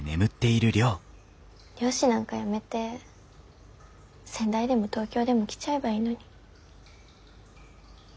漁師なんかやめて仙台でも東京でも来ちゃえばいいのに。